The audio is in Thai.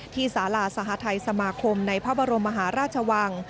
สาราสหทัยสมาคมในพระบรมมหาราชวัง